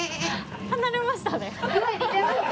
離れましたね。